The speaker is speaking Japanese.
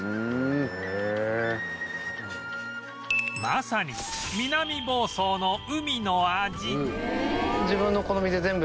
まさに南房総の海の味